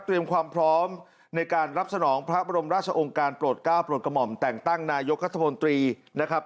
ความพร้อมในการรับสนองพระบรมราชองค์การโปรดก้าวโปรดกระหม่อมแต่งตั้งนายกรัฐมนตรีนะครับ